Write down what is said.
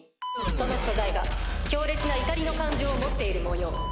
その素材が強烈な怒りの感情を持っているもよう。